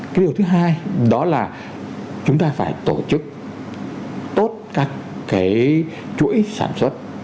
cái điều thứ hai đó là chúng ta phải tổ chức tốt các cái chuỗi sản xuất